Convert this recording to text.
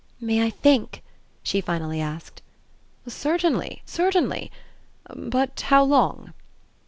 "May I think?" she finally asked. "Certainly, certainly. But how long?"